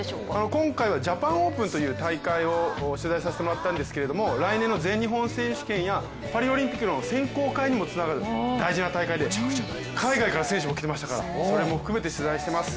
今回はジャパンオープンという大会を取材させてもらったんですけれども来年の全日本選手権やパリオリンピックの選考会にもつながる大事な大会で、海外から選手も来ていましたからそれも含めて取材しています。